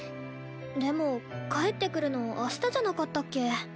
でも帰って来るの明日じゃなかったっけ？